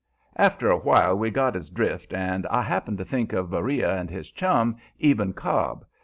After a while we got his drift, and I happened to think of Beriah and his chum, Eben Cobb.